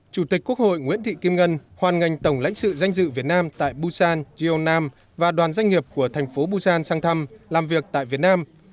chủ tịch quốc hội nguyễn thị kim ngân hoan nghênh tổng lãnh sự danh dự việt nam tại busan gyeongnam và đoàn doanh nghiệp của thành phố busan sang thăm làm việc tại việt nam